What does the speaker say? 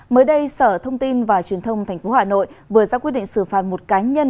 mới đây sở thông tin và truyền thông tp hà nội vừa ra quyết định xử phạt một cá nhân